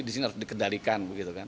di sini harus dikendalikan